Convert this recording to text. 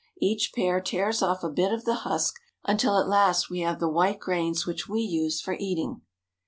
Each pair tears off a bit of the husk, until at last we have the white grains which we use for eating.